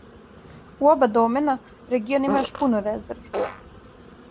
У оба домена, регион има још пуно резерви.